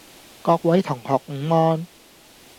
各位同學午安